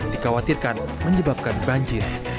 dikhawatirkan menyebabkan banjir